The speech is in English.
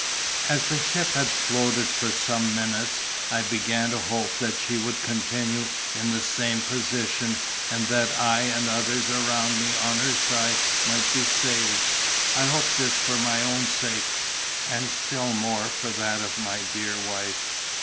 ] As the ship had floated for some minutes, I began to hope that she would continue in the same position, and that I and others around me on her side might be saved. I hoped this for my own sake, and still more for that of my dear wife.